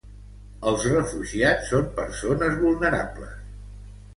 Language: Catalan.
Els refugiats són persones vulnerables.